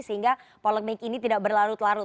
sehingga polemik ini tidak berlarut larut